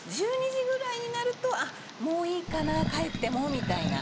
１２時ぐらいになると「あっもういいかな帰っても」みたいな。